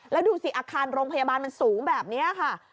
แล้วดูสิอาคารโรงพยาบาลมันสูงแบบนี้ค่ะ